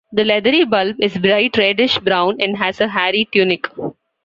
The leathery bulb is bright reddish-brown and has a hairy tunic.